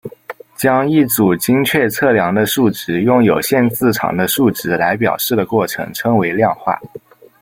将一组精确测量的数值用有限字长的数值来表示的过程称为量化。